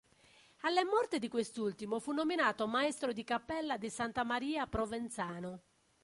Alle morte di quest'ultimo fu nominato maestro di cappella di Santa Maria a Provenzano.